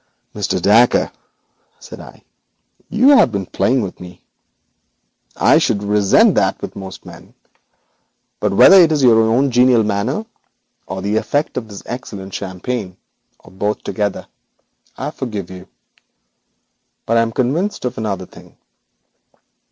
'Mr. Dacre,' said I, 'you have been playing with me. I should resent that with most men, but whether it is your own genial manner or the effect of this excellent champagne, or both together, I forgive you. But I am convinced of another thing.